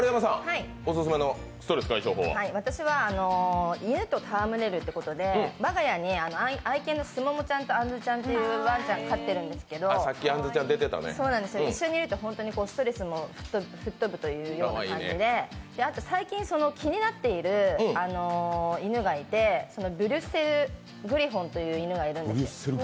私は、犬とたわむれるということで、我が家に愛犬のすももちゃんとあんずちゃんってワンちゃんを飼ってるんですけど一緒にいると、本当にストレスも吹っ飛ぶというような感じであと、最近、気になってる犬がいてブリュッセル・グリフォンという犬がいるんです。